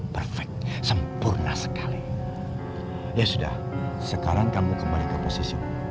perfect sempurna sekali ya sudah sekarang kamu kembali ke posisimu